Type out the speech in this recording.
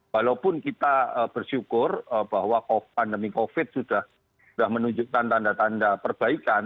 walaupun kita bersyukur bahwa pandemi covid sudah menunjukkan tanda tanda perbaikan